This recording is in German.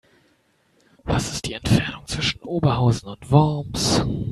Was ist die Entfernung zwischen Oberhausen und Worms?